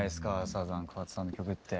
サザン桑田さんの曲って。